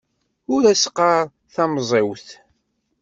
Ur as-ɣɣar tamẓiwt.